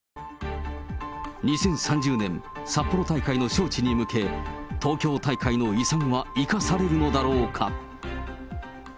２０３０年、札幌大会の招致に向け、東京大会の遺産は生かされるのだろうか。